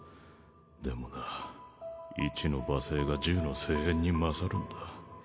でもな１の罵声が１０の声援に勝るんだ。